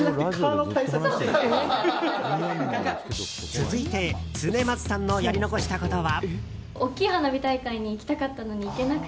続いて恒松さんのやり直したことは？